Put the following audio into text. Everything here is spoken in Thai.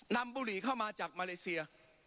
ปรับไปเท่าไหร่ทราบไหมครับ